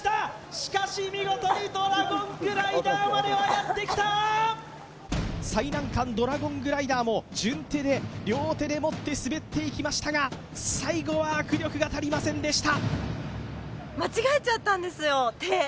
しかし見事にドラゴングライダーまではやってきた最難関ドラゴングライダーも順手で両手で持って滑っていきましたが最後は握力が足りませんでした